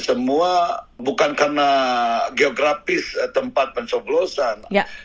semua bukan karena geografis tempat pencoblosan